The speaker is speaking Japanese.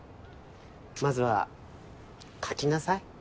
まずは描きなさい。